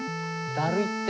だるいって。